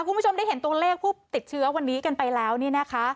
คุณผู้ชมได้เห็นตัวเลขผู้ติดเชื้อวันนี้กันไปแล้วเนี่ยนะคะ